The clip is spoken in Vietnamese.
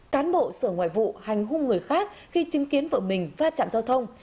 cán bộ sở ngoại vụ hành hung người khác khi chứng kiến vợ mình va chạm giao thông